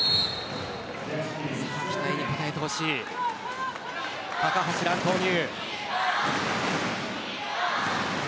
期待に応えてほしい高橋藍投入。